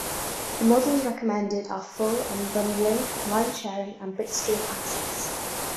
The models recommended are Full Unbundling, Line Sharing and Bitstream Access.